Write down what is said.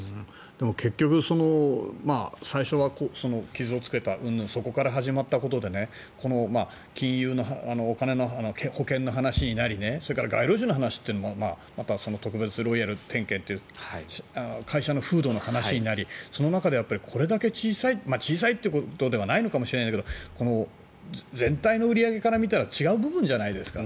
でも、結局最初は傷をつけたうんぬんそこから始まったことで金融の、保険のお金の話になりそれから街路樹の話っていうのも特別なロイヤル点検っていう会社の風土の話になりその中でこれだけ小さい小さいってことではないのかもしれないけど全体の売り上げから見たら違う部分じゃないですか。